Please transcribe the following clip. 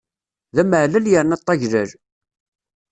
D amaɛlal yerna ṭṭaglal.